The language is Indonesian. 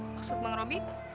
maksud bang robi